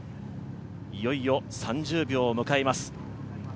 いよいよ３０秒を迎えます。